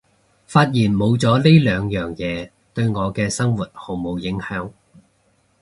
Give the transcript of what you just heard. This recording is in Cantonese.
發現冇咗呢兩樣嘢對我嘅生活毫無影響